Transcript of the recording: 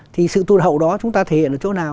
thì sự tụt hậu đó chúng ta thể hiện ở chỗ nào